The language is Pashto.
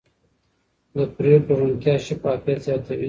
د پرېکړو روڼتیا شفافیت زیاتوي